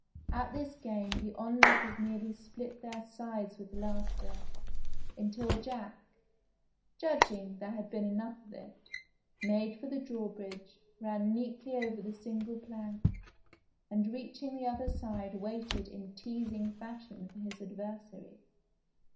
At this game the onlookers nearly split their sides with laughter, until Jack, judging there had been enough of it, made for the drawbridge, ran neatly over the single plank, and reaching the other side waited in teasing fashion for his adversary.